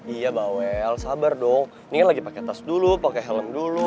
iya bawel sabar dong ini kan lagi pake tas dulu pake helm dulu